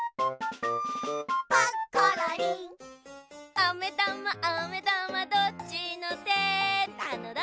「あめだまあめだまどっちのて」なのだ？